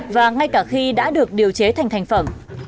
và ngay cả khi đã được điều chế thành thành phẩm